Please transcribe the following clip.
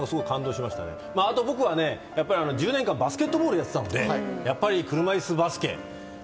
あと僕は１０年間バスケットボールをやっていたので、やっぱり車いすバスケ。